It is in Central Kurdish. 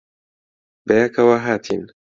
بەیەکەوە ھاتین.